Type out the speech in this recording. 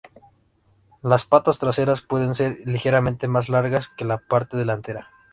Las patas traseras pueden ser ligeramente más largas que la parte delantera.